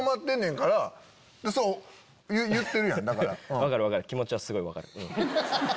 分かる分かる気持ちはすごい分かる。